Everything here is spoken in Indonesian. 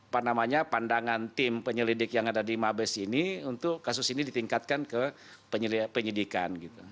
karena pandangan tim penyelidik yang ada di mabes ini untuk kasus ini ditingkatkan ke penyelidikan gitu